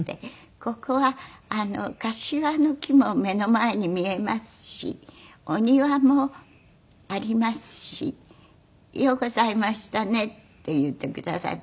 「ここは柏の木も目の前に見えますしお庭もありますしようございましたね」って言ってくださって。